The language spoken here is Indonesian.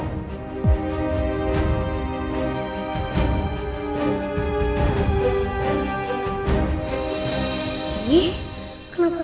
tidak ada yang tau